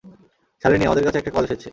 শালিনী, আমাদের কাছে একটা কল এসেছে।